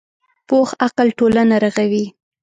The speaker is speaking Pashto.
پوخ عقل ټولنه رغوي